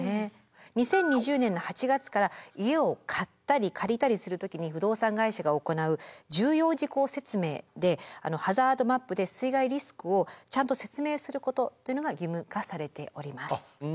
２０２０年の８月から家を買ったり借りたりする時に不動産会社が行う重要事項説明でハザードマップで水害リスクをちゃんと説明することというのが義務化されております。